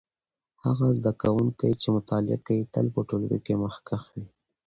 هغه زده کوونکی چې مطالعه کوي تل په ټولګي کې مخکښ وي.